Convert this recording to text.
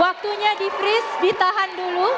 waktunya di freeze ditahan dulu